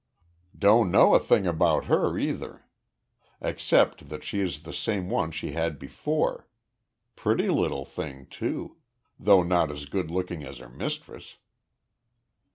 "Don't know a thing about her, either, except that she is the same one she had before. Pretty little thing, too though not as good looking as her mistress."